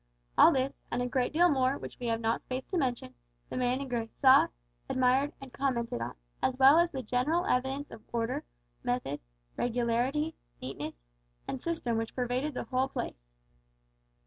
All this, and a great deal more which we have not space to mention, the man in grey saw, admired, and commented on, as well as on the general evidence of order, method, regularity, neatness, and system which pervaded the whole place.